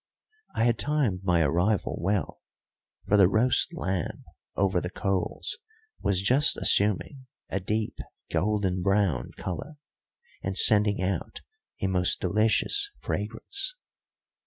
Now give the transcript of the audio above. I had timed my arrival well, for the roast lamb over the coals was just assuming a deep golden brown colour, and sending out a most delicious fragrance.